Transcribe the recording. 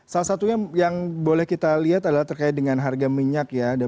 salah satunya yang boleh kita lihat adalah terkait dengan harga minyak ya